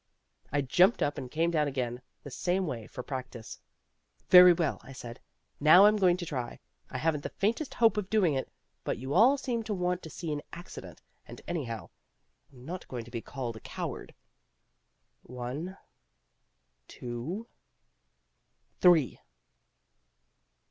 I jumped up and came down again the same way for practice. "Very well," I said. "Now I'm going to try. I haven't the faintest hope of doing it, but you all seem to want to see an accident, and anyhow, I'm not going to be called a coward. One, two, three...."